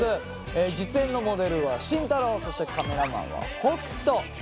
実演のモデルは慎太郎そしてカメラマンは北斗。